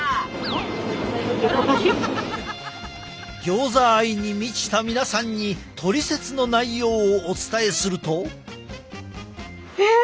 ギョーザ愛に満ちた皆さんにトリセツの内容をお伝えすると。